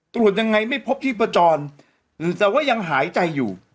ตรวจยังไงไม่พบที่ประจรแต่ว่ายังหายใจอยู่